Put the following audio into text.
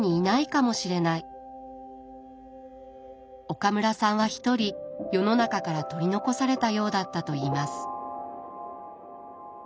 岡村さんはひとり世の中から取り残されたようだったといいます。